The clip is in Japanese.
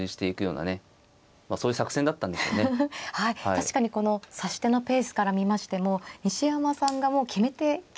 確かにこの指し手のペースから見ましても西山さんがもう決めてきたような。